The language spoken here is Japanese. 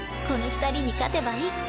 この２人に勝てばいい。